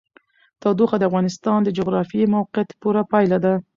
تودوخه د افغانستان د جغرافیایي موقیعت پوره پایله ده.